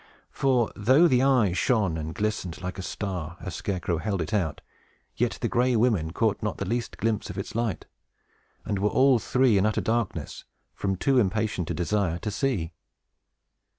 For, though the eye shone and glistened like a star, as Scarecrow held it out, yet the Gray Women caught not the least glimpse of its light, and were all three in utter darkness, from too impatient a desire to see.